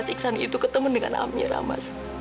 itu ketemu dengan amira mas